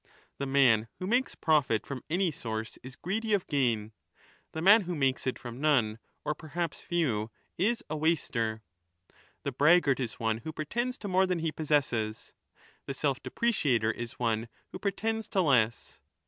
The man who makes profit from any source is greedy of gain ; the man who makes it from none, or perhaps few,^ is a ' waster '. The braggart is one who pretends to more than he possesses, the self depreciator 25 is one who pretends to less.